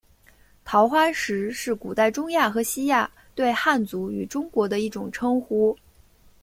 桃花石是古代中亚和西亚对汉族与中国的一种称呼。